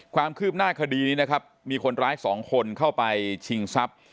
ความคืบหน้าคดีนี้นะครับมีคนร้ายสองคนเข้าไปชิงทรัพย์